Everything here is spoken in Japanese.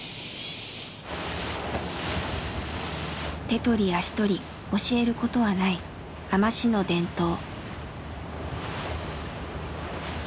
手取り足取り教えることはない海士の伝統。